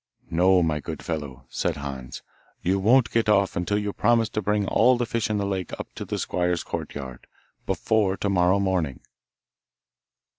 'No, my good fellow,' said Hans, 'you won't get off until you promise to bring all the fish in the lake up to the squire's courtyard, before to morrow morning.